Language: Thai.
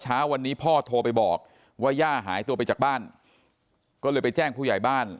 เช้าวันนี้พ่อโทรไปบอกว่าย่าหายตัวไปจากบ้านก็เลยไปแจ้งผู้ใหญ่บ้าน